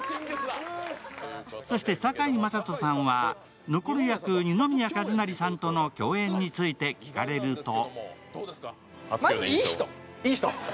そして、堺雅人さんは、ノコル役二宮和也さんとの共演について聞かれるとまず、いい人。